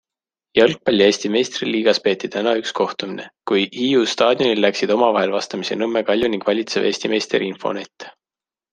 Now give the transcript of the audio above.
Jalgpalli Eesti meistriliigas peeti täna üks kohtumine, kui Hiiu staadionil läksid omavahel vastamisi Nõmme Kalju ning valitsev Eesti meister Infonet.